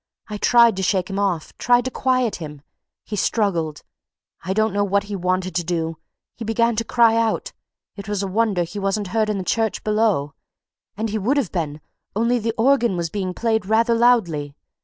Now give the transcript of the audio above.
I tried to shake him off, tried to quiet him; he struggled I don't know what he wanted to do he began to cry out it was a wonder he wasn't heard in the church below, and he would have been only the organ was being played rather loudly.